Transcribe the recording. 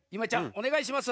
おねがいします。